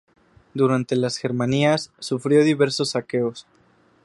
Durante las Germanías sufrió diversos saqueos.